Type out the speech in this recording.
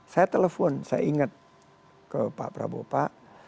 saya telepon saya ingat ke pak prabowo pak